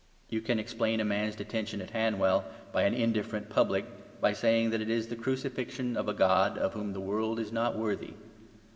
You can explain a man's detention at Hanwell by an indifferent public by saying that it is the crucifixion of a god of whom the world is not worthy.